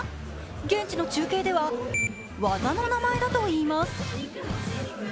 現地の中継では技の名前だといいます。